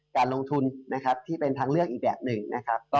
การลงทุนนะครับที่เป็นทางเลือกอีกแบบหนึ่งนะครับ